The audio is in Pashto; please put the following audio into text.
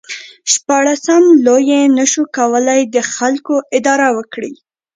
شپاړسم لویي نشو کولای د خلکو اداره وکړي.